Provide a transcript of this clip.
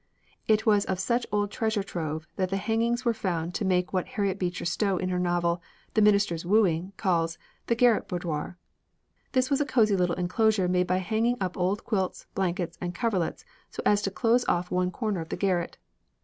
It was of such old treasure trove that the hangings were found to make what Harriet Beecher Stowe in her novel, "The Minister's Wooing," calls "the garret boudoir." This was a cozy little enclosure made by hanging up old quilts, blankets, and coverlets so as to close off one corner of the garret.